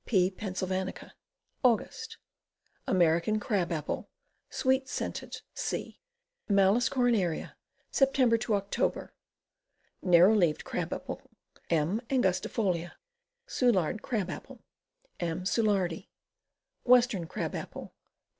P. Pennsylvanica. Aug. American Crab Apple. Sweet scented C. Malu^ coronaria. Sep. Oct Narrow leaved Crab Apple. M. angustijolia. Soulard Crab Apple. M. Soulardi. Western Crab Apple.